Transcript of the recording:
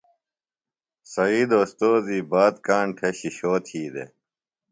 سعید اوستوذی بات کاݨ تھےۡ شِشو تھی دےۡ۔